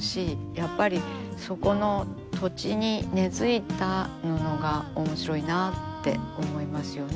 やっぱりそこの土地に根づいた布が面白いなあって思いますよね。